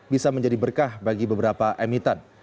bisa menjadi berkah bagi beberapa emiten